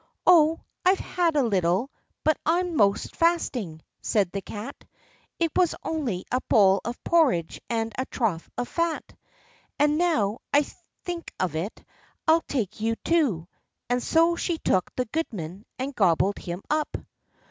"Oh, I've had a little, but I'm 'most fasting," said the Cat; "it was only a bowl of porridge and a trough of fat—and, now I think of it, I'll take you too," and so she took the goodman and gobbled him up.